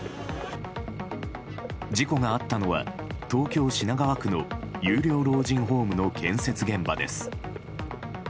事故があったのは東京・品川区の有料老人ホームの建設現場です。